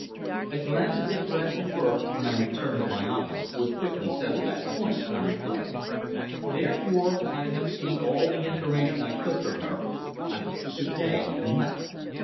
A glance at Debrett or Burke when I returned to my office would quickly settle that point, I reflected; therefore, having obtained all the information I could from her I wished her good day, and left.